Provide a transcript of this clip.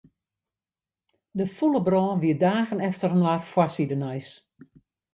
De fûle brân wie dagen efterinoar foarsidenijs.